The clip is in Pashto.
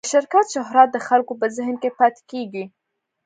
د شرکت شهرت د خلکو په ذهن کې پاتې کېږي.